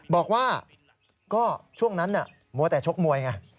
บอกว่าก็ช่วงนั้นมัวแต่ชกมวยไง